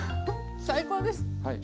最高です。